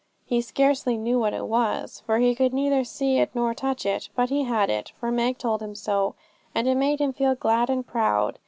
He scarcely knew what it was, for he could neither see it nor touch it; but he had it, for Meg told him so, and it made him feel glad and proud.